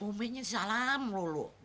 umi ini salam lulu